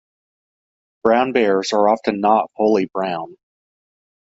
Brown bears are often not fully brown.